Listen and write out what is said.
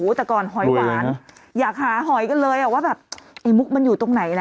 แต่ก่อนหอยหวานอยากหาหอยกันเลยว่าแบบไอ้มุกมันอยู่ตรงไหนนะ